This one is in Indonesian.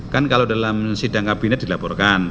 kan kalau dalam sidang kabinet dilaporkan